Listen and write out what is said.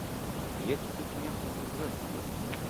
Ніякіх дакументаў не трэба!